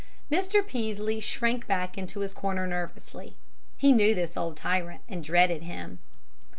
Mr. Peaslee shrank back into his corner nervously. He knew this old tyrant and dreaded him.